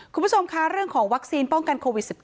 คุณผู้ชมคะเรื่องของวัคซีนป้องกันโควิด๑๙